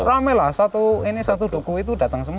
iya rame lah satu duku itu datang semua